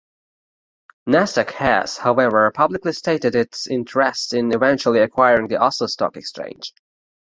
Nasdaq has, however, publicly stated its interest in eventually acquiring the Oslo Stock Exchange.